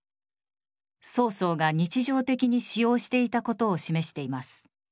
曹操が日常的に使用していた事を示しています。